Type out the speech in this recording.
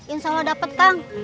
insya allah dapet kang